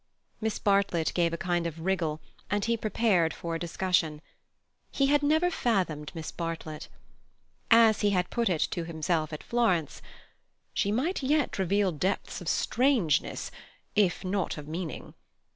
Miss Bartlett gave a kind of wriggle, and he prepared for a discussion. He had never fathomed Miss Bartlett. As he had put it to himself at Florence, "she might yet reveal depths of strangeness, if not of meaning."